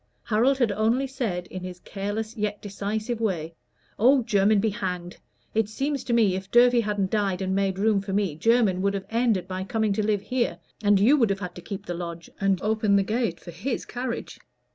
Harold had only said, in his careless yet decisive way, "Oh, Jermyn be hanged! It seems to me if Durfey hadn't died and made room for me, Jermyn would have ended by coming to live here, and you would have had to keep the lodge and open the gate for his carriage.